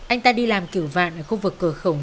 anh ta đi làm cửu vạn ở khu vực cửa khổng